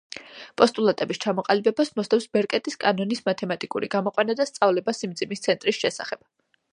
პოსტულატების ჩამოყალიბებას მოსდევს ბერკეტის კანონის მათემატიკური გამოყვანა და სწავლება სიმძიმის ცენტრის შესახებ.